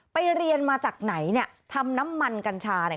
เรียนมาจากไหนเนี่ยทำน้ำมันกัญชาเนี่ย